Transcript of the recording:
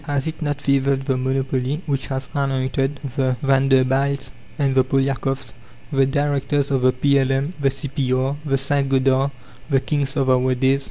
Has it not favoured the monopoly which has anointed the Vanderbilts and the Polyakoffs, the directors of the P.L.M., the C.P.R., the St. Gothard, "the kings of our days"?